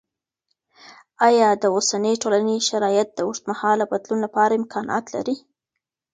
آیا د اوسني ټولني شرایط د اوږدمهاله بدلون لپاره امکانات لري؟